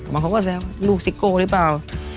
บางคนก็แซวลูกซิโก้หรือเปล่า